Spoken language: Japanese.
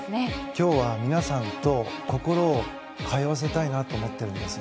今日は皆さんと心を通わせたいなと思っています。